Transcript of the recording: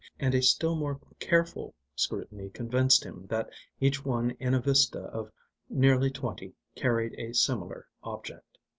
And a still more careful scrutiny convinced him that each one in a vista of nearly twenty carried a similar object.